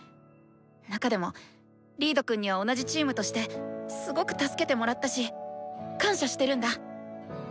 中でもリードくんには同じチームとしてすごく助けてもらったし感謝してるんだ！